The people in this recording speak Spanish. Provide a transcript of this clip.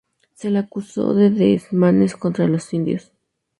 Se le acusó de desmanes contra los indios.